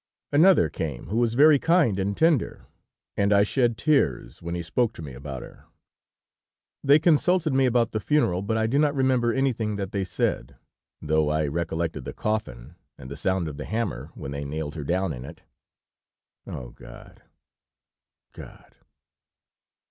Another came who was very kind and tender, and I shed tears when he spoke to me about her. "They consulted me about the funeral, but I do not remember anything that they said, though I recollected the coffin, and the sound of the hammer when they nailed her down in it. Oh! God, God!